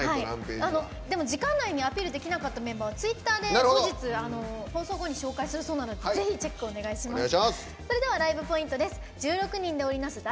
でも、時間内にアピールできなかったメンバーはツイッターで後日、放送後に紹介するそうなのでぜひチェックをお願いします。